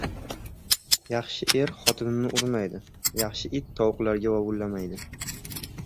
• Yaxshi er xotinini urmaydi, yaxshi it tovuqlarga vovullamaydi.